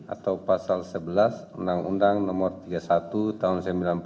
atau pasal sebelas undang undang nomor tiga puluh satu tahun seribu sembilan ratus sembilan puluh sembilan